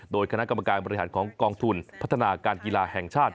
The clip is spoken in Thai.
โดยคณะกรรมการบริหารของกองทุนพัฒนาการกีฬาแห่งชาติ